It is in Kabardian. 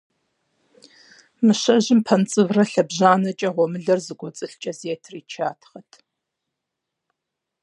Мыщэжьым пэнцӀыврэ лъэбжьанэкӀэ гъуэмылэр зыкӀуэцӀылъ кӀэзетыр ичатхъэрт.